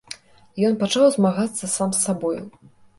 Ён пачаў змагацца сам з сабою.